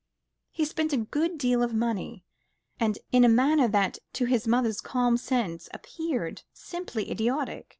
He spent a good deal of money, and in a manner that to his mother's calm sense appeared simply idiotic.